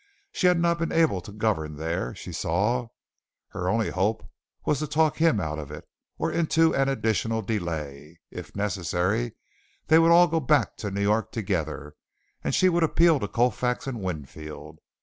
She had not been able to govern there, she saw. Her only hope was to talk him out of it, or into an additional delay. If necessary, they would all go back to New York together and she would appeal to Colfax and Winfield.